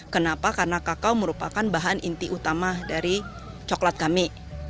kenapa karena kakao merupakan bahan inti utama dari coklat kami